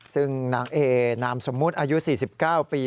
ซึ่งนางเอนามสมมุติอายุ๔๙ปี